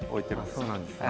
ああそうなんですね。